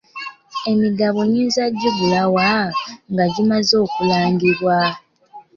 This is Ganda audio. Emigabo nnyinza kugigula wa nga gimaze okulangibwa?